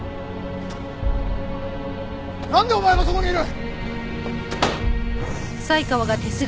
なんでお前がそこにいる！？